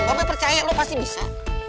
mbak be percaya lu pasti bisa